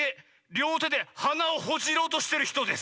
りょうてではなをほじろうとしてるひとです。